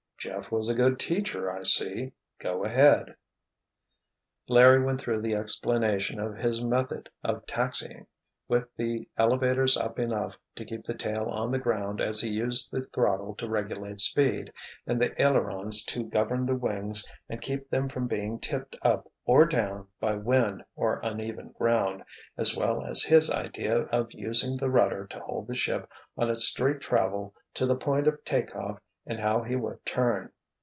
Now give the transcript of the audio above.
"Jeff was a good teacher, I see. Go ahead." Larry went through the explanation of his method of taxiing, with the elevators up enough to keep the tail on the ground as he used the throttle to regulate speed, and the ailerons to govern the wings and keep them from being tipped up or down by wind or uneven ground, as well as his idea of using the rudder to hold the ship on its straight travel to the point of take off and how he would turn.